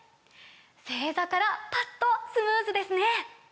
正座からパッとスムーズですね！